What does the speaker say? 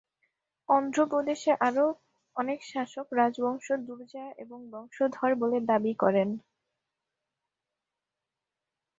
অন্ধ্র প্রদেশের আরও অনেক শাসক রাজবংশ দুরজায়া-এর বংশধর বলে দাবি করেন।